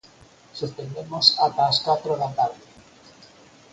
Suspendemos ata as catro da tarde.